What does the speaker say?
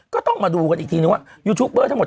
ก็ต้องมาดูกันอีกทีนึงว่ายูทูบเบอร์ทั้งหมด